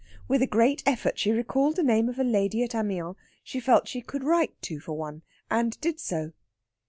With a great effort she recalled the name of a lady at Amiens she felt she could write to for one, and did so.